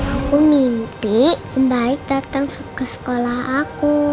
aku mimpi baik datang ke sekolah aku